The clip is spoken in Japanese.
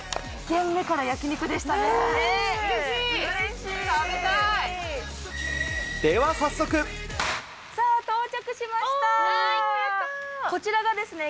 １軒目から焼き肉でしたね。